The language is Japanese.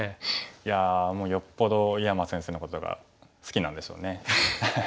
いやもうよっぽど井山先生のことが好きなんでしょうね。